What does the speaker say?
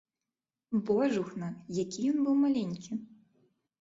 Божухна, які ён быў маленькі!